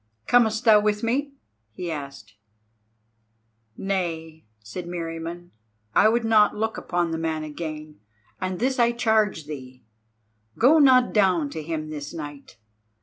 "Comest thou with me?" he asked. "Nay," said Meriamun, "I would not look upon the man again; and this I charge thee. Go not down to him this night.